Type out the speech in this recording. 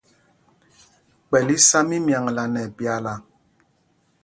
Kpɛ̂l í sá mímyaŋla nɛ ɛpyaala.